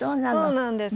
そうなんです。